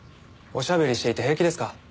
おしゃべりしていて平気ですか？